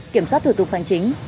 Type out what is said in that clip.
kiểm soát thủ tục hành chính